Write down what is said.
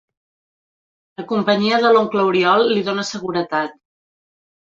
La companyia de l'oncle Oriol li dona seguretat.